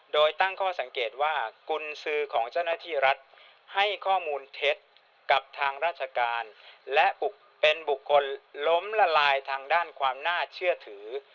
โดยตั้งข้อสังเกตว่ากุญสือของเจ้าหน้าที่รัฐให้ข้อมูลเท็จกับทางราชการและเป็นบุคคลล้มละลายทางด้านความน่าเชื่อถือ